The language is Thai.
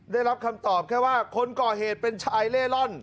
ได้รับคำตอบแค่ว่าคนก่อเหตุเป็นชายเล่ร่อน